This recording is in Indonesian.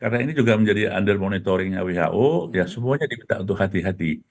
karena ini juga menjadi under monitoringnya who ya semuanya diketahui untuk hati hati